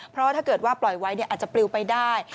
เพราะถ้าเกิดว่าปล่อยไว้อาจจะปลิวไปได้